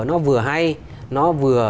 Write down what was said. nó vừa hay nó vừa